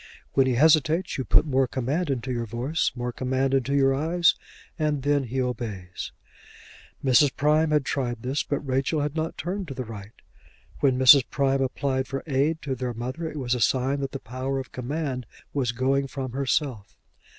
When he hesitates you put more command into your voice, more command into your eyes, and then he obeys. Mrs. Prime had tried this, but Rachel had not turned to the right. When Mrs. Prime applied for aid to their mother, it was a sign that the power of command was going from herself.